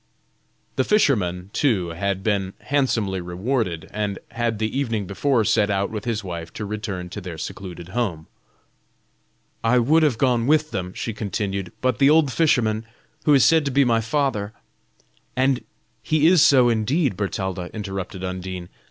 The fisherman, too, had been handsomely rewarded, and had the evening before set out with his wife to return to their secluded home. "I would have gone with them," she continued, "but the old fisherman, who is said to be my father" "And he is so indeed, Bertalda," interrupted Undine.